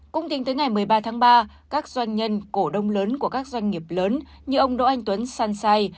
cũng tính tới ngày một mươi ba tháng ba các doanh nhân cổ đông lớn của các doanh nghiệp lớn như ông đỗ anh tuấn san say